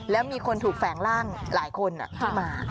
แล้วมีคนถูกแฝงร่างหลายคนที่มา